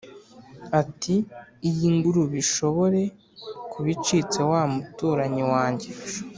ati "iyi ngurube ishobore kuba icitse wa muturanyi wanjye